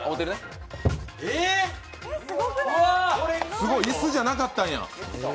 すごい、椅子やなかったんや。